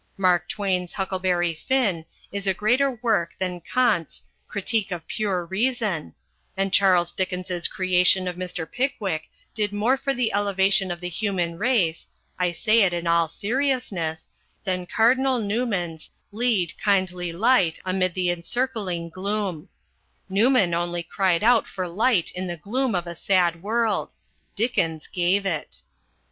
Mark Twain's Huckleberry Finn is a greater work than Kant's Critique of Pure Reason, and Charles Dickens's creation of Mr. Pickwick did more for the elevation of the human race I say it in all seriousness than Cardinal Newman's Lead, Kindly Light, Amid the Encircling Gloom. Newman only cried out for light in the gloom of a sad world. Dickens gave it.